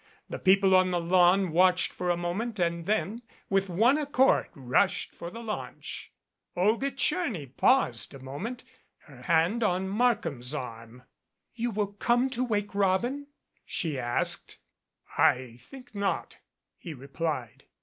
The people on the lawn 55 MADCAP watched for a moment and then with one accord rushed for the launch. Olga Tcherny paused a moment, her hand on Mark ham's arm. "You will come to 'Wake Robin' ?" she asked. "I think not," he replied.